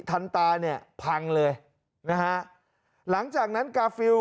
ทันตาเนี่ยพังเลยนะฮะหลังจากนั้นกาฟิล